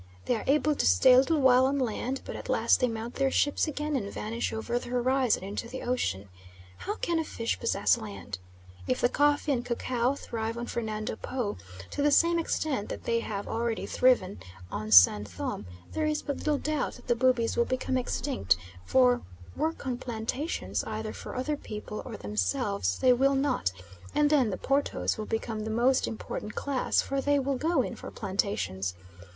They are able to stay a little while on land, but at last they mount their ships again and vanish over the horizon into the ocean. How can a fish possess land?" If the coffee and cacao thrive on Fernando Po to the same extent that they have already thriven on San Thome there is but little doubt that the Bubis will become extinct; for work on plantations, either for other people, or themselves, they will not, and then the Portos will become the most important class, for they will go in for plantations.